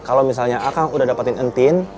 kalau misalnya ah udah dapetin entin